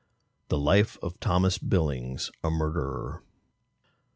The Life of THOMAS BILLINGS, a Murderer.